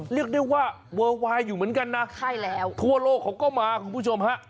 เรียกได้ว่าเวอร์วายอยู่เหมือนกันนะทั่วโลกของก้าวหมาครับคุณผู้ชม